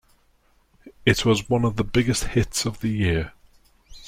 It was one of the biggest hits of the year.